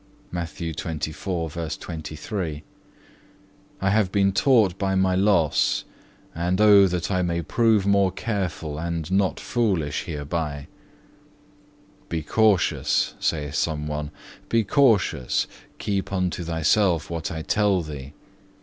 (5) I have been taught by my loss, and O that I may prove more careful and not foolish hereby. "Be cautious," saith some one: "be cautious, keep unto thyself what I tell thee."